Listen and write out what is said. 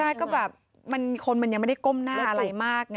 ใช่ก็แบบคนมันยังไม่ได้ก้มหน้าอะไรมากไง